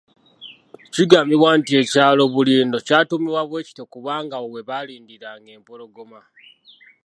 Kigambibwa nti ekyalo Bulindo ky'atuumibwa bwe kityo kubanga awo we baalindiranga empologoma.